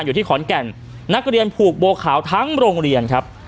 อยู่ที่ขอนแก่นนักเรียนผูกโบขาวทั้งโรงเรียนครับ